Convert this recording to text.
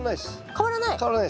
変わらない？